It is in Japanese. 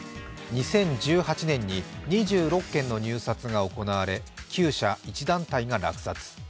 ２０１８年に２６件の入札が行われ９社１団体が落札。